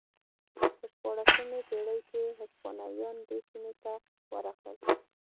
په شپاړسمې پېړۍ کې هسپانویان دې سیمې ته ورغلل.